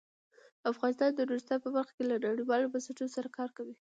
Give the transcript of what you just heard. افغانستان د نورستان په برخه کې له نړیوالو بنسټونو سره کار کوي.